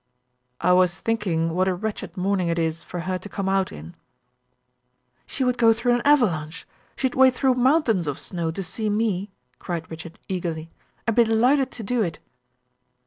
"I was thinking what a wretched morning it is for her to come out in." "She would go through an avalanche she'd wade through mountains of snow, to see me," cried Richard eagerly, "and be delighted to do it."